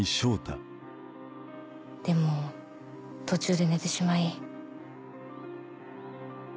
でも途中で寝てしまい。